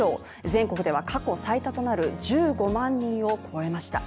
全国では過去最多となる１５万人を超えました。